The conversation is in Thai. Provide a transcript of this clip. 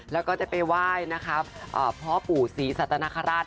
แล้วก็จะไปไหว้พ่อปู่สีสะตนนาคะราช